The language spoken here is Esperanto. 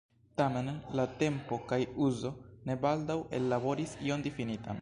Tamen "la tempo kaj uzo" ne baldaŭ ellaboris ion difinitan.